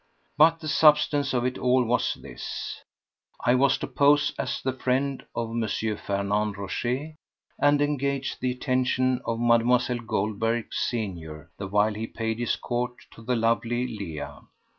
But the substance of it all was this: I was to pose as the friend of M. Fernand Rochez, and engage the attention of Mlle. Goldberg senior the while he paid his court to the lovely Leah.